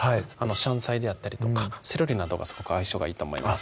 シャンツァイであったりとかセロリなどがすごく相性がいいと思います